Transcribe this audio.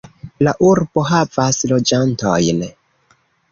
La urbo havas loĝantojn.